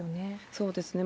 そうですね。